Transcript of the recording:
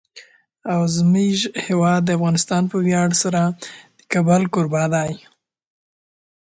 زموږ هیواد افغانستان په ویاړ سره د کابل کوربه دی.